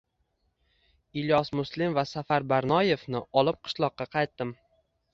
Ilyos Muslim va Safar Barnoyevni olib qishloqqa qaytdim